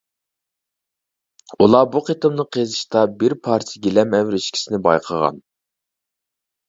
ئۇلار بۇ قېتىملىق قېزىشتا بىر پارچە گىلەم ئەۋرىشكىسىنى بايقىغان.